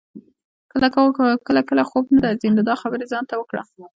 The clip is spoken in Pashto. که کله خوب نه درځي نو دا خبرې ځان ته وکړه.